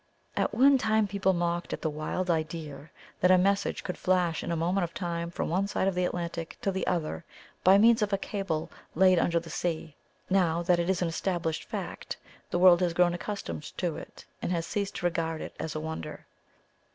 At one time people mocked at the wild idea that a message could flash in a moment of time from one side of the Atlantic to the other by means of a cable laid under the sea; now that it is an established fact, the world has grown accustomed to it, and has ceased to regard it as a wonder.